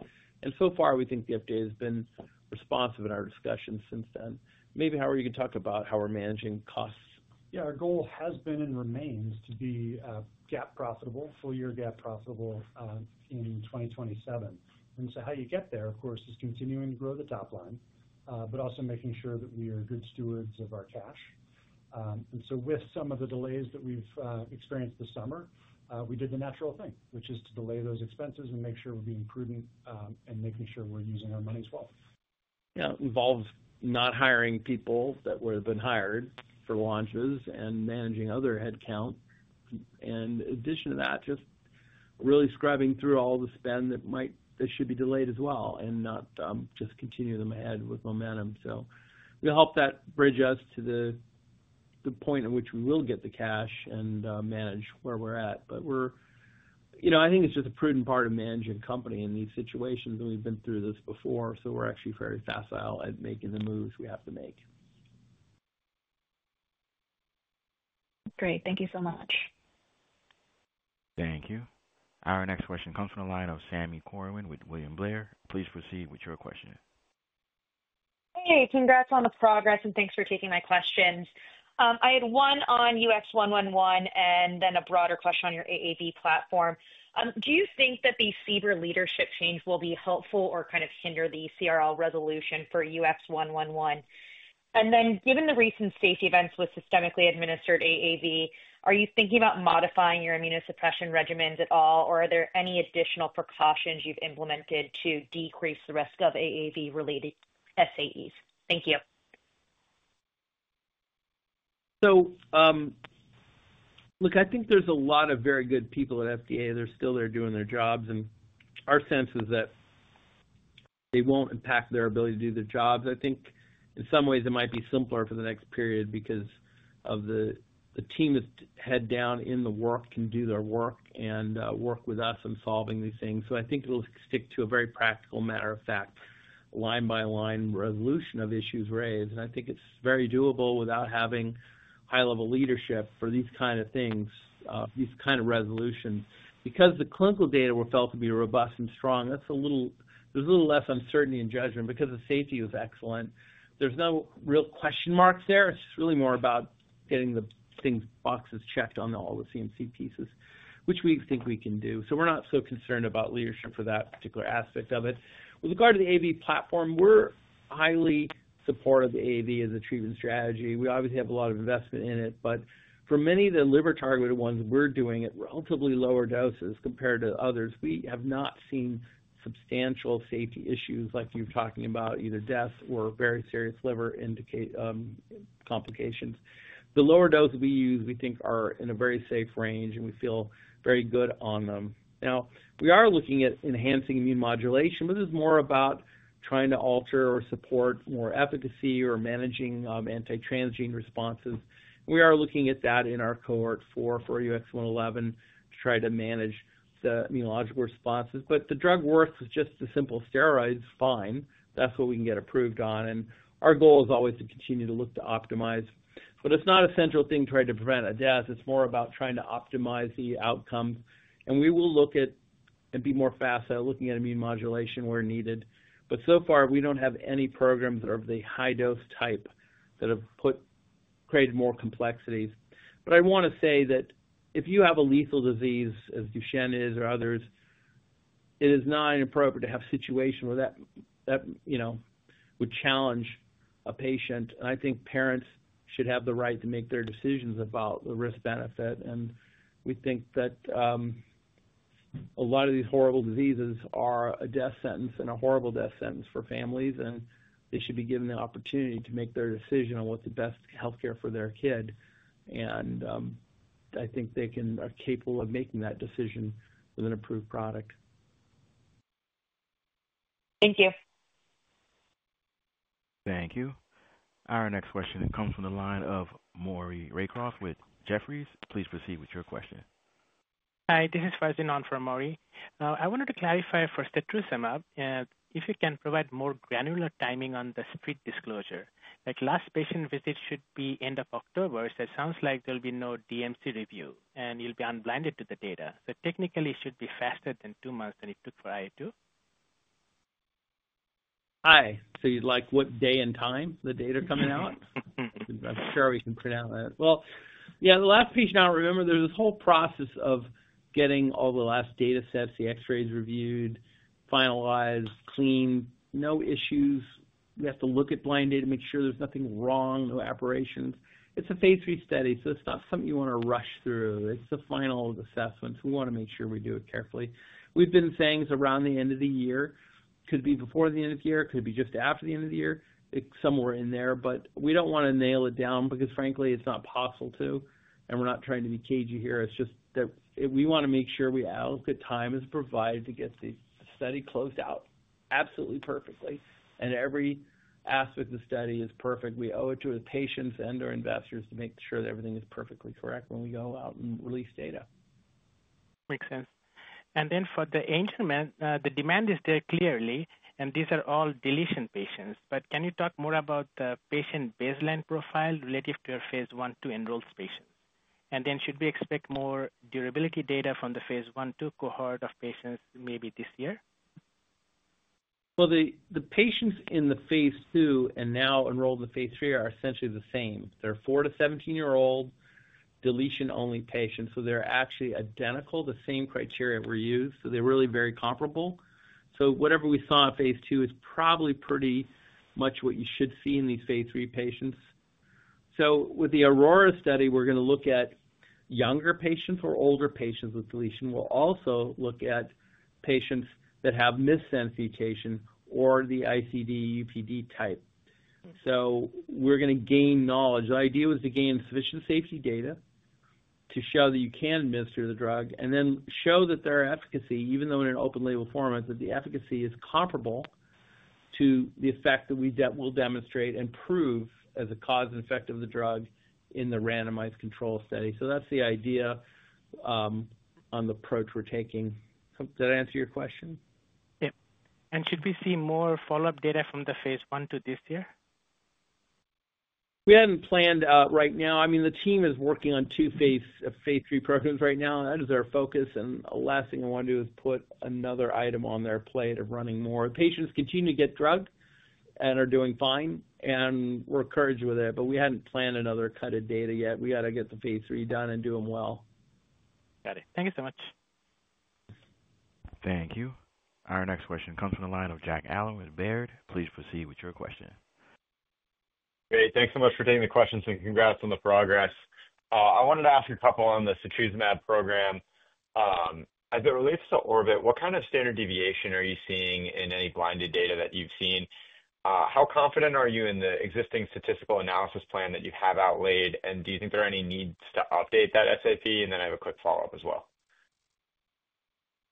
So far, we think the FDA has been responsive in our discussions since then. Maybe Howard, you could talk about how we're managing costs. Our goal has been and remains to be GAAP profitable, full-year GAAP profitable in 2027. How you get there, of course, is continuing to grow the top line, but also making sure that we are good stewards of our cash. With some of the delays that we've experienced this summer, we did the natural thing, which is to delay those expenses and make sure we're being prudent and making sure we're using our money's quality. Yeah, involve not hiring people that would have been hired for launches and managing other headcount. In addition to that, just really scrubbing through all the spend that might, that should be delayed as well and not just continue them ahead with momentum. We'll help that bridge us to the point in which we will get the cash and manage where we're at. I think it's just a prudent part of managing a company in these situations. We've been through this before. We're actually very facile at making the moves we have to make. Great, thank you so much. Thank you. Our next question comes from the line of Samantha Corwin with William Blair. Please proceed with your question. Hey, congrats on the progress and thanks for taking my questions. I had one on UX111 and then a broader question on your AAV platform. Do you think that the CBR leadership change will be helpful or kind of hinder the CRL resolution for UX111? Given the recent safety events with systemically administered AAV, are you thinking about modifying your immunosuppression regimens at all, or are there any additional precautions you've implemented to decrease the risk of AAV-related SAEs? Thank you. I think there's a lot of very good people at the FDA that are still there doing their jobs. Our sense is that they won't impact their ability to do their jobs. I think in some ways it might be simpler for the next period because the team that's head down in the work can do their work and work with us in solving these things. I think it'll stick to a very practical matter-of-fact, line-by-line resolution of issues raised. I think it's very doable without having high-level leadership for these kinds of things, these kinds of resolutions. Because the clinical data were felt to be robust and strong, there's a little less uncertainty in judgment because the safety was excellent. There's no real question marks there. It's just really more about getting the things, boxes checked on all the CMC pieces, which we think we can do. We're not so concerned about leadership for that particular aspect of it. With regard to the AAV platform, we're highly supportive of the AAV as a treatment strategy. We obviously have a lot of investment in it. For many of the liver-targeted ones, we're doing it at relatively lower doses compared to others. We have not seen substantial safety issues like you're talking about, either deaths or very serious liver complications. The lower doses we use, we think, are in a very safe range, and we feel very good on them. We are looking at enhancing immune modulation, but this is more about trying to alter or support more efficacy or managing anti-transgene responses. We are looking at that in our cohort four for UX111 to try to manage the immunological responses. The drug worth was just the simple steroids, fine. That's what we can get approved on. Our goal is always to continue to look to optimize. It's not a central thing trying to prevent a death. It's more about trying to optimize the outcomes. We will look at and be more facile looking at immune modulation where needed. So far, we don't have any programs that are of the high-dose type that have created more complexities. If you have a lethal disease, as Duchenne is or others, it is not inappropriate to have a situation where that would challenge a patient. I think parents should have the right to make their decisions about the risk-benefit. We think that a lot of these horrible diseases are a death sentence and a horrible death sentence for families. They should be given the opportunity to make their decision on what's the best healthcare for their kid. I think they are capable of making that decision with an approved product. Thank you. Thank you. Our next question comes from the line of Maury Raycroft with Jefferies. Please proceed with your question. Hi, this is Farzin on for Maury. I wanted to clarify for UX143 (citrusimab) if you can provide more granular timing on the split disclosure. Last patient visit should be end of October, so it sounds like there'll be no DMC review and you'll be unblinded to the data. Technically, it should be faster than two months than it took for IA2. Hi. You'd like what day and time the data are coming out? I'm sure we can print out that. The last patient I remember, there's this whole process of getting all the last data sets, the X-rays reviewed, finalized, cleaned, no issues. We have to look at blind data, make sure there's nothing wrong, no aberrations. It's a phase III study, so it's not something you want to rush through. It's the final assessment, so we want to make sure we do it carefully. We've been saying it's around the end of the year. Could it be before the end of the year? Could it be just after the end of the year? Somewhere in there. We don't want to nail it down because frankly, it's not possible to. We're not trying to be cagey here. It's just that we want to make sure we have a good time as a provider to get the study closed out absolutely perfectly. Every aspect of the study is perfect. We owe it to the patients and our investors to make sure that everything is perfectly correct when we go out and release data. Makes sense. For the Angelman, the demand is there clearly, and these are all deletion patients. Can you talk more about the patient baseline profile relative to your phase I-II enrolled patients? Should we expect more durability data from the phase I-II cohort of patients maybe this year? The patients in the phase II and now enrolled in the phase III are essentially the same. They're 4 year-17year-old deletion-only patients. They're actually identical. The same criteria were used. They're really very comparable. Whatever we saw in phase II is probably pretty much what you should see in these phase III patients. With the Aurora study, we're going to look at younger patients or older patients with deletion. We'll also look at patients that have missense mutation or the ICD/UPD type. We're going to gain knowledge. The idea was to gain sufficient safety data to show that you can administer the drug and then show that their efficacy, even though in an open-label format, that the efficacy is comparable to the effect that we will demonstrate and prove as a cause and effect of the drug in the randomized control study. That's the idea on the approach we're taking. Did I answer your question? Should we see more follow-up data from the phase I-II this year? We hadn't planned right now. I mean, the team is working on two phase III programs right now. That is our focus. The last thing I want to do is put another item on their plate of running more. The patients continue to get drugged and are doing fine, and we're encouraged with it. We hadn't planned another cut of data yet. We got to get the phase III done and do them well. Got it. Thank you so much. Thank you. Our next question comes from the line of Jack Allen with Robert W. Baird. Please proceed with your question. Great. Thanks so much for taking the questions, and congrats on the progress. I wanted to ask a couple on the UX143 program. As it relates to ORPID, what kind of standard deviation are you seeing in any blinded data that you've seen? How confident are you in the existing statistical analysis plan that you have outlaid, and do you think there are any needs to update that SAP? I have a quick follow-up as well.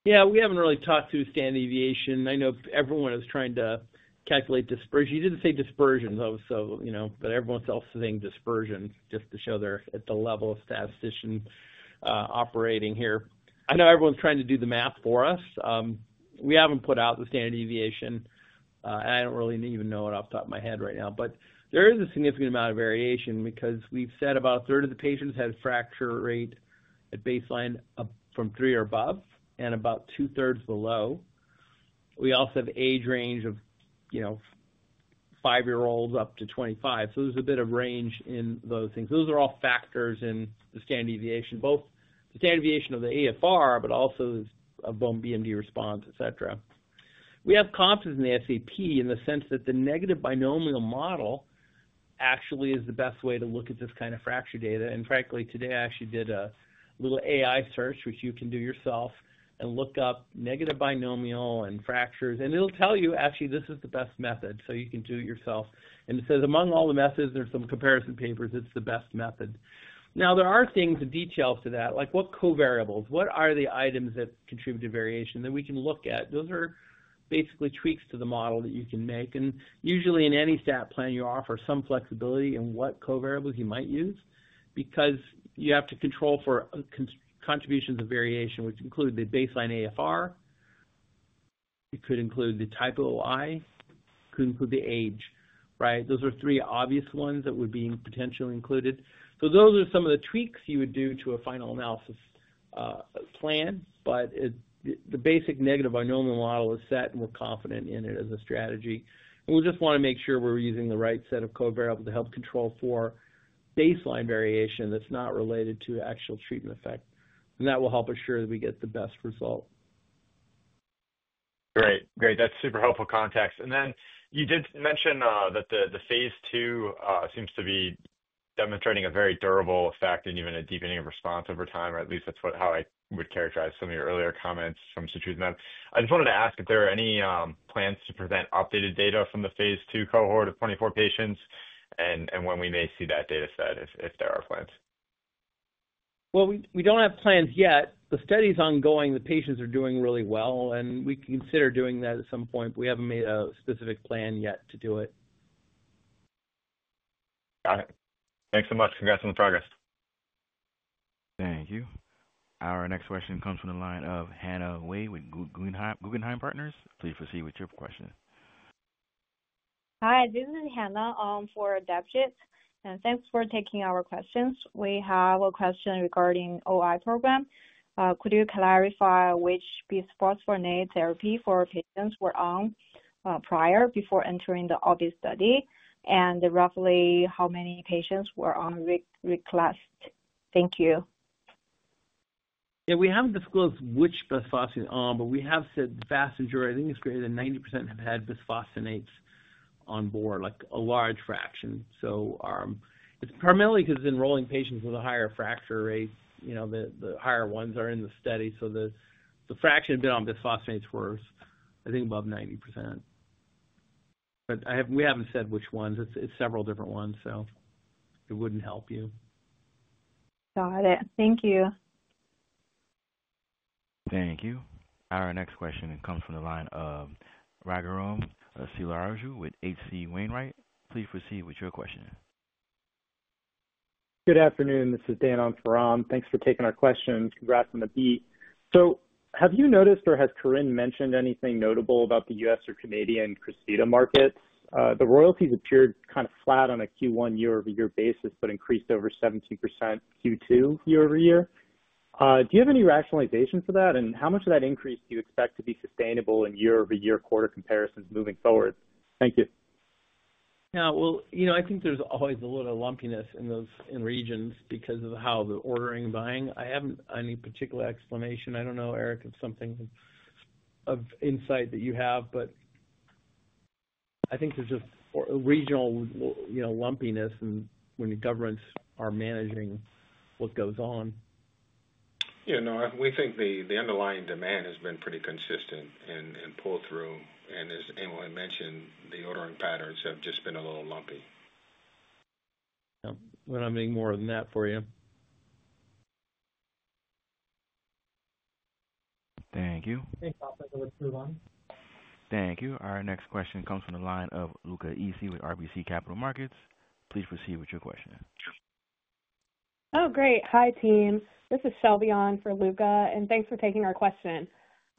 Yeah, we haven't really talked through standard deviation. I know everyone is trying to calculate dispersion. You didn't say dispersion, though, but everyone's also saying dispersion just to show they're at the level of statisticians operating here. I know everyone's trying to do the math for us. We haven't put out the standard deviation, and I don't really even know it off the top of my head right now. There is a significant amount of variation because we've said about a third of the patients had a fracture rate at baseline from three or above and about two-thirds below. We also have an age range of five-year-olds up to 25. There's a bit of range in those things. Those are all factors in the standard deviation, both the standard deviation of the AFR, but also the bone BMD response, etc. We have comps in the SAP in the sense that the negative binomial model actually is the best way to look at this kind of fracture data. Frankly, today I actually did a little AI search, which you can do yourself, and look up negative binomial and fractures. It'll tell you actually this is the best method. You can do it yourself. It says among all the methods, there's some comparison papers. It's the best method. There are things and details to that, like what covariables, what are the items that contribute to variation that we can look at. Those are basically tweaks to the model that you can make. Usually in any stat plan, you offer some flexibility in what covariables you might use because you have to control for contributions of variation, which include the baseline AFR. It could include the type of OI. It could include the age, right? Those are three obvious ones that would be potentially included. Those are some of the tweaks you would do to a final analysis plan. The basic negative binomial model is set, and we're confident in it as a strategy. We just want to make sure we're using the right set of covariables to help control for baseline variation that's not related to actual treatment effect. That will help us ensure that we get the best result. Great, great. That's super helpful context. You did mention that the phase II seems to be demonstrating a very durable effect and even a deepening of response over time, or at least that's how I would characterize some of your earlier comments from UX143. I just wanted to ask if there are any plans to present updated data from the phase II cohort of 24 patients and when we may see that data set if there are plans. We don't have plans yet. The study is ongoing. The patients are doing really well, and we can consider doing that at some point, but we haven't made a specific plan yet to do it. Got it. Thanks so much. Congrats on the progress. Thank you. Our next question comes from the line of Hongye Wei with Guggenheim Securities. Please proceed with your question. Hi, this is Hannah for DEPGID. Thank you for taking our questions. We have a question regarding the OI program. Could you clarify which bisphosphonate therapy patients were on prior to entering the ORPID study, and roughly how many patients were on Reclast? Thank you. Yeah, we haven't disclosed which bisphosphonate is on, but we have said the vast majority, I think it's greater than 90%, have had bisphosphonates on board, like a large fraction. It's primarily because enrolling patients with a higher fracture rate, you know, the higher ones are in the study. The fraction had been on bisphosphonates was, I think, above 90%. We haven't said which ones. It's several different ones, so it wouldn't help you. Got it. Thank you. Thank you. Our next question comes from the line of Raghuram Selvaraju with H.C. Wainwright. Please proceed with your question. Good afternoon. This is Dan on for OM. Thanks for taking our questions. Congrats on the beat. Have you noticed or has Corinne mentioned anything notable about the U.S. or Canadian CRYSVITA markets? The royalties appeared kind of flat on a Q1 year-over-year basis, but increased over 17% Q2 year-over-year. Do you have any rationalization for that? How much of that increase do you expect to be sustainable in year-over-year quarter comparisons moving forward? Thank you. Yeah, I think there's always a little lumpiness in those regions because of how the ordering and buying. I haven't any particular explanation. I don't know, Eric, if there's something of insight that you have, but I think there's just a regional lumpiness in when the governments are managing what goes on. Yeah, no, we think the underlying demand has been pretty consistent and pull-through. As Emil Kakkis had mentioned, the ordering patterns have just been a little lumpy. Yeah, we're not making more than that for you. Thank you. Thanks, Officer. Let's move on. Thank you. Our next question comes from the line of Luca Issi with RBC Capital Markets. Please proceed with your question. Oh, great. Hi, team. This is Shelby on for Luca, and thanks for taking our question.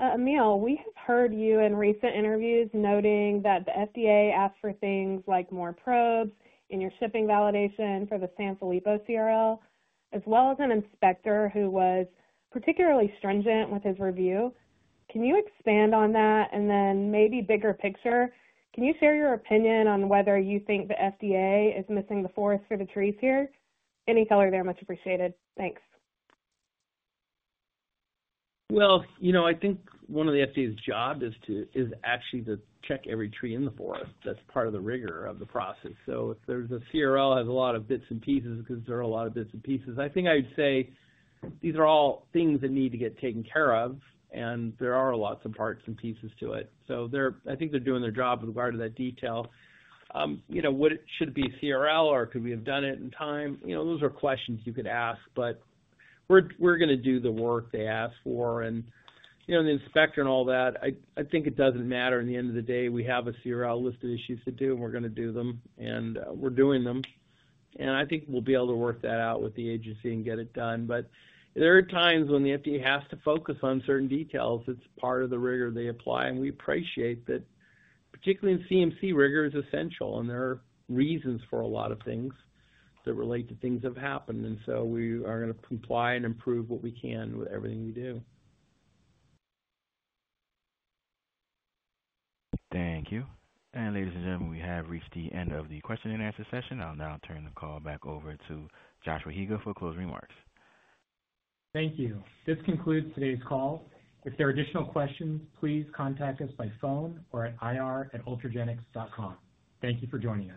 Emil, we have heard you in recent interviews noting that the FDA asked for things like more probes in your shipping validation for the Sansolipo CRL, as well as an inspector who was particularly stringent with his review. Can you expand on that, and then maybe bigger picture, can you share your opinion on whether you think the FDA is missing the forest for the trees here? Any color there, much appreciated. Thanks. I think one of the FDA's jobs is to actually check every tree in the forest. That's part of the rigor of the process. If there's a CRL that has a lot of bits and pieces because there are a lot of bits and pieces, I would say these are all things that need to get taken care of, and there are lots of parts and pieces to it. I think they're doing their job with regard to that detail. Should it be CRL or could we have done it in time? Those are questions you could ask, but we're going to do the work they asked for. The inspector and all that, I think it doesn't matter. At the end of the day, we have a CRL list of issues to do, and we're going to do them, and we're doing them. I think we'll be able to work that out with the agency and get it done. There are times when the FDA has to focus on certain details. It's part of the rigor they apply. We appreciate that, particularly the CMC rigor is essential, and there are reasons for a lot of things that relate to things that have happened. We are going to comply and improve what we can with everything we do. Thank you. Ladies and gentlemen, we have reached the end of the question and answer session. I'll now turn the call back over to Joshua Higa for closing remarks. Thank you. This concludes today's call. If there are additional questions, please contact us by phone or at ir@ultragenyx.com. Thank you for joining.